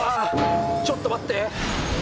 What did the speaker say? ちょっと待って。